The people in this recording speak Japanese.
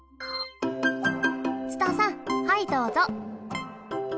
ツタさんはいどうぞ。